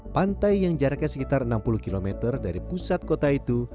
pantai yang jaraknya sekitar enam puluh km dari pusat kota itu